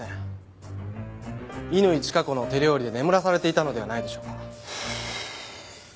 乾チカ子の手料理で眠らされていたのではないでしょうか？